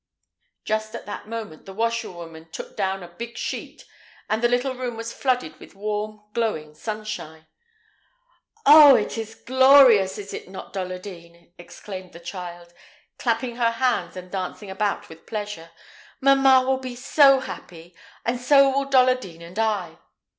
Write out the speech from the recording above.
Just at that moment the washerwoman took down a big sheet, and the little room was flooded with warm, glowing sunshine. "Oh! it is glorious, is it not, Dolladine?" exclaimed the child, clapping her hands, and dancing about with pleasure. "Mamma will be so happy, and so will Dolladine and I."